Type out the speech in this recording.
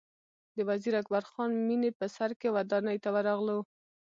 د وزیر اکبر خان مېنې په سر کې ودانۍ ته ورغلو.